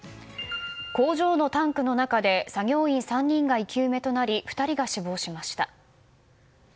工場のタンクの中で作業員３人が生き埋めとなり２人が死亡しました。